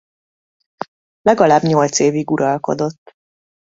Legalább nyolc évig uralkodott.